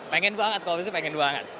pengen banget kalau bisa pengen banget